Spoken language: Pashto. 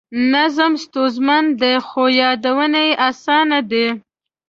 نظم ستونزمن دی خو یادول یې اسان دي.